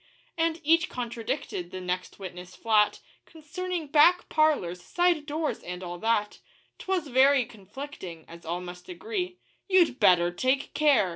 And each contradicted the next witness flat, Concerning back parlours, side doors, and all that; 'Twas very conflicting, as all must agree Ye'd betther take care!